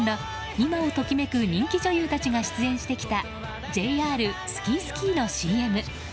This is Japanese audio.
今をときめく人気女優たちが出演してきたＪＲＳＫＩＳＫＩのＣＭ。